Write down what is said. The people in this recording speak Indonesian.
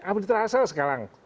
apa di terasa sekarang